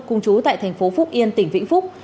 cùng chú tại thành phố phúc yên tỉnh vĩnh phúc